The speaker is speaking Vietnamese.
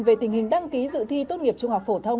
về tình hình đăng ký dự thi tốt nghiệp trung học phổ thông